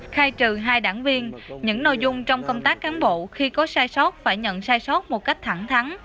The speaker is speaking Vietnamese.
khai trừ hai đảng viên những nội dung trong công tác cán bộ khi có sai sót phải nhận sai sót một cách thẳng thắng